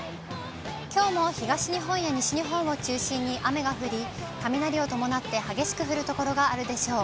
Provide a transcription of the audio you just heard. きょうも東日本や西日本を中心に雨が降り、雷を伴って激しく降る所があるでしょう。